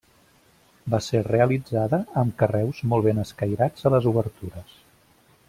Va ser realitzada amb carreus molt ben escairats a les obertures.